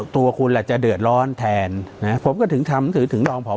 ตัวคุณอาจจะเดือดร้อนแทนนะฮะผมก็ถึงทำถือถึงรองผ่อ